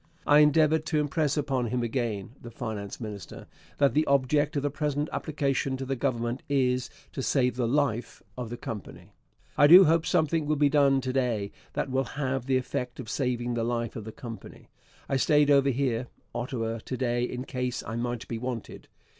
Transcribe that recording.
I endeavoured to impress upon him again [the finance minister] that the object of the present application to the Government is to save the life of the Company.... I do hope something will be done to day that will have the effect of saving the life of the Company. I stayed over here [Ottawa] to day in case I might be wanted.